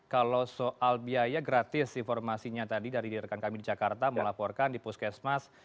kalau soal biaya gratis informasinya tadi dari rekan kami di jakarta melaporkan di puskesmas